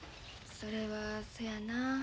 それはそやなあ。